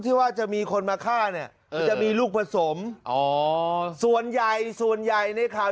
ที่จะมีคนมาฆ่าเนี่ยมันจะมีลูกผสมอ๋อส่วนใหญ่ส่วนใหญ่ในข่าว